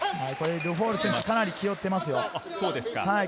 ルフォール選手はかなり気負っています。